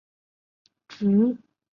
醉蝶花为醉蝶花科白花菜属的植物。